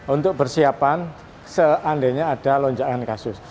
untuk persiapan seandainya ada lonjakan kasus